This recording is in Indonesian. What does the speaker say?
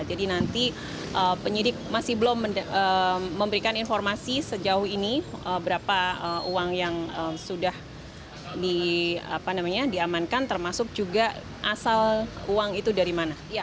jadi nanti penyidik masih belum memberikan informasi sejauh ini berapa uang yang sudah diamankan termasuk juga asal uang itu dari mana